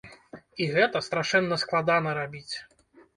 І гэта страшэнна складана рабіць.